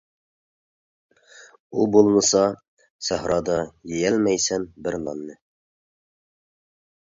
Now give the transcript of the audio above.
ئۇ بولمىسا سەھرادا، يېيەلمەيسەن بىر ناننى.